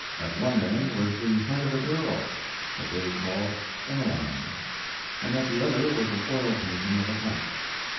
At one end was the head of a girl, that they called "Emeline," and at the other was an oil painting of a cat.